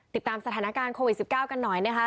ติดตามสถานการณ์โควิด๑๙กันหน่อยนะคะ